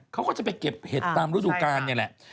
เขาก็จะไปเก็บเห็ดตามฤดูกาลนี่แหละ